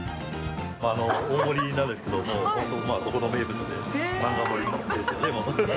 大盛りなんですけど、ここの名物で、漫画盛りですよね。